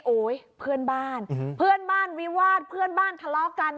โอ๊ยเพื่อนบ้านเพื่อนบ้านวิวาดเพื่อนบ้านทะเลาะกัน